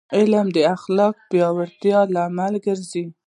علم د اخلاقي پیاوړتیا لامل ګرځي.